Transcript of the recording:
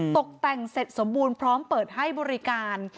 ตกแต่งเสร็จสมบูรณ์พร้อมเปิดให้บริการ